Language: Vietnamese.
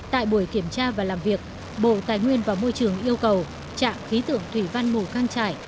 tại buổi kiểm tra và làm việc bộ tài nguyên và môi trường yêu cầu trạm khí tượng thủy văn mù căng trải